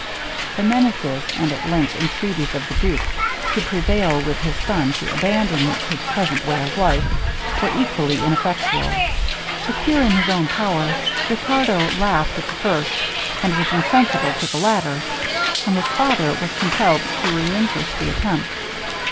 The menaces, and at length entreaties of the duke, to prevail with his son to abandon his present way of life, were equally ineffectual. Secure in his own power, Riccardo laughed at the first, and was insensible to the latter; and his father was compelled to relinquish the attempt.